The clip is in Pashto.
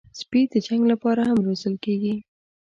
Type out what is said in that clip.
سپي د جنګ لپاره هم روزل کېږي.